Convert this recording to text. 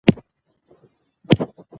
مېلې د اولسونو تر منځ د ورورولۍ فضا پیدا کوي.